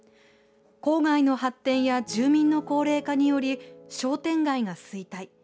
郊外の発展や住民の高齢化により商店街が衰退。